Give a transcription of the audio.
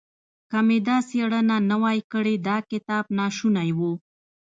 که مې دا څېړنه نه وای کړې دا کتاب ناشونی و.